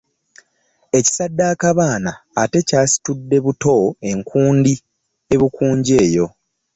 Ekisaddaaka baana ate kyasitudde buto enkundi e Bukunja eyo.